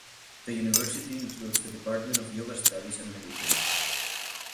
The university includes the Department of Yoga Studies and Meditation.